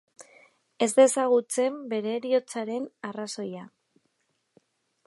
Ez da ezagutzen bere heriotzaren arrazoia.